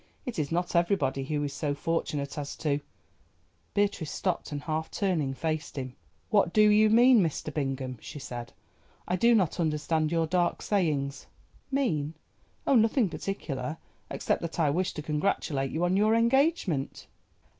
It is not everybody who is so fortunate as to——" Beatrice stopped, and half turning faced him. "What do you mean, Mr. Bingham?" she said. "I do not understand your dark sayings." "Mean! oh, nothing particular, except that I wished to congratulate you on your engagement."